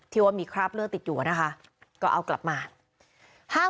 ว่ามีคราบเลือดติดอยู่นะคะก็เอากลับมา